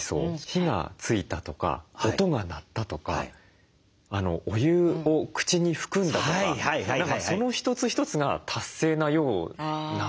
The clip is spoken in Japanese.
火がついたとか音が鳴ったとかお湯を口に含んだとかその一つ一つが達成なような。